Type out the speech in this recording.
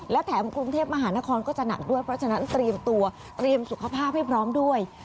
และแถมกรุงเทพมหานครก็จะหนักด้วยเพราะฉะนั้นเตรียมตัวเตรียมสุขภาพให้พร้อมด้วย